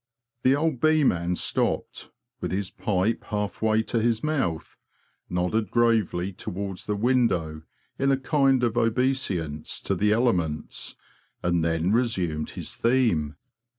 The old bee man_ stopped, with his pipe half way to his mouth, nodded gravely towards the window, in a kind of obeisance to the elements, and then resumed his theme.